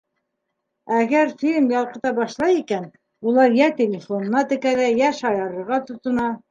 Әгәр фильм ялҡыта башлай икән, улар йә телефонына текәлә, йә шаярырға тотона.